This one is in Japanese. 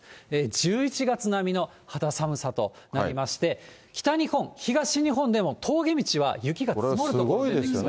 １１月並みの肌寒さとなりまして、北日本、東日本でも峠道は雪が積もる所がありそうです。